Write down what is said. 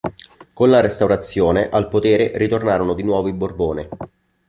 Con la restaurazione, al potere ritornarono di nuovo i Borbone.